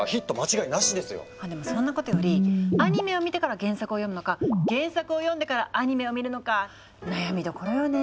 そんなことよりアニメを見てから原作を読むのか原作を読んでからアニメを見るのか悩みどころよね。